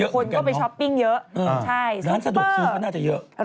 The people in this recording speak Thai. ก็เยอะเหมือนกันเนอะอืมสุปเพอร์ร้านสะดวกซื้อก็น่าจะเยอะใช่ซุปเปอร์